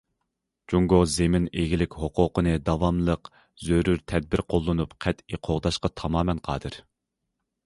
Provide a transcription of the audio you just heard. جۇڭگو زېمىن ئىگىلىك ھوقۇقىنى داۋاملىق زۆرۈر تەدبىر قوللىنىپ قەتئىي قوغداشقا تامامەن قادىر.